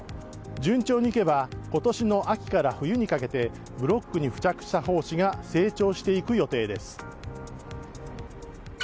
順調にいけば今年の秋から冬にかけてブロックに付着した胞子が成長していく予定です。